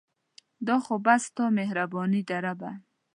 دا خو بس ستا مهرباني ده ربه